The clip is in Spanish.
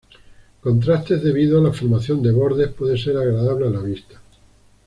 Contrastes debido a la formación de bordes puede ser agradable a la vista.